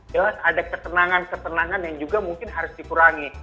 jelas ada ketenangan ketenangan yang juga mungkin harus dikurangi